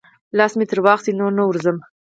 لاس مې ترې واخیست، نور نه ورځم.